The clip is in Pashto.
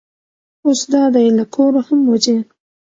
اوس دا دی له کوره هم وځي.